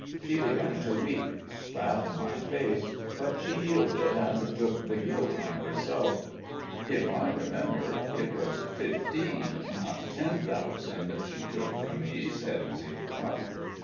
She began to weep, spat in my face, but she yielded and took the guilt on herself." "If I remember it was fifteen, not ten thousand she took from me," said Usielkov.